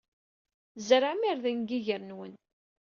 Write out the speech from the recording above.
Tzerɛem irden deg yiger-nwen.